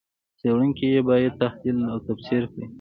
څېړونکي یې باید تحلیل او تفسیر کړي.